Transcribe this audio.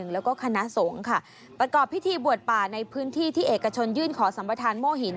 แล้วก็คณะสงฆ์ค่ะประกอบพิธีบวชป่าในพื้นที่ที่เอกชนยื่นขอสัมประธานโม่หิน